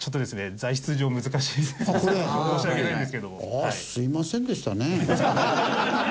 ああすいませんでしたね。